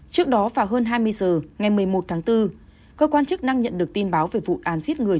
trước đó vào hơn hai mươi h ngày một mươi một tháng bốn cơ quan chức năng nhận được tin báo về vụ án giết người